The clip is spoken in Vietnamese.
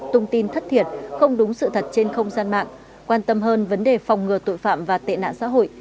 tung tin thất thiệt không đúng sự thật trên không gian mạng quan tâm hơn vấn đề phòng ngừa tội phạm và tệ nạn xã hội